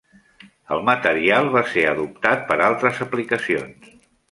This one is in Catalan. El material va ser adoptat per altres aplicacions.